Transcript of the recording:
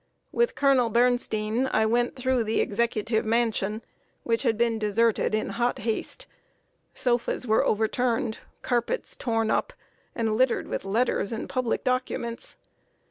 With Colonel B[oe]rnstein, I went through the executive mansion, which had been deserted in hot haste. Sofas were overturned, carpets torn up and littered with letters and public documents.